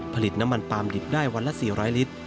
ผลิตน้ำมันปลามดิบได้วันละ๔๐๐ลิตร